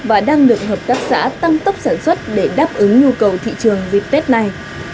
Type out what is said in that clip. và đang được hợp tác xã tăng tốc sản xuất để đáp ứng nhu cầu thị trường dịp tết này